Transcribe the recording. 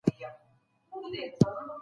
کمپيوټر د ډاکټر وخت نيسي.